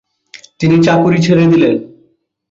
তিনি চাকুরি ছেড়ে দিলেন।